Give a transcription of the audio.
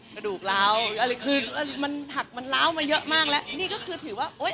กระดูกเราอะไรคือมันหักมันล้าวมาเยอะมากแล้วนี่ก็คือถือว่าโอ้ย